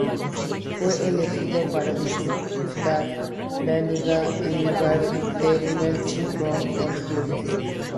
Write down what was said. Fue elegido para disputar la liga en lugar del Merthyr Town Football Club.